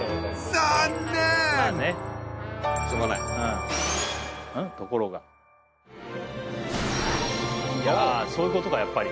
残念そういうことかやっぱり。